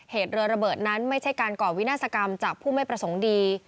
เหตุเรือระเบิดนั้นไม่ใช่การก่อวินาศกรรมจากผู้ไม่ประสงค์ดี